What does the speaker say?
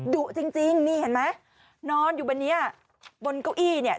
ดุจริงจริงนี่เห็นไหมนอนอยู่บนเนี้ยบนเก้าอี้เนี่ย